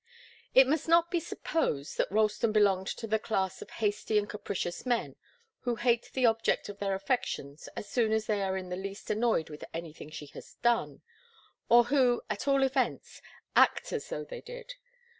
It must not be supposed that Ralston belonged to the class of hasty and capricious men, who hate the object of their affections as soon as they are in the least annoyed with anything she has done or who, at all events, act as though they did.